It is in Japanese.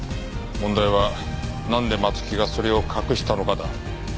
問題はなんで松木がそれを隠したのかだ。